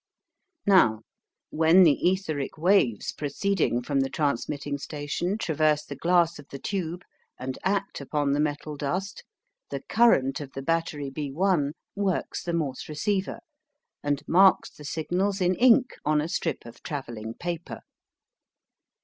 Now, when the etheric waves proceeding from the transmitting station traverse the glass of the tube and act upon the metal dust, the current of the battery B1 works the Morse receiver, and marks the signals in ink on a strip of travelling paper.